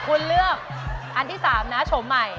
คุณเลือกอันที่๓นะโฉมใหม่